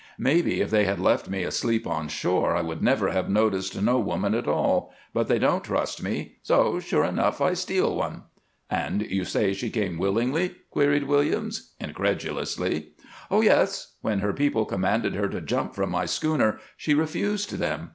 Maybe if they had left me asleep on shore I would never have noticed no woman at all. But they don't trust me, so, sure enough I steal one." "And you say she came willingly?" queried Williams, incredulously. "Oh yes! When her people commanded her to jump from my schooner she refused them.